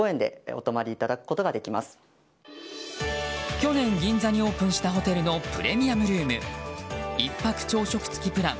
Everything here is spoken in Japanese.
去年、銀座にオープンしたホテルのプレミアムルーム１泊朝食付きプラン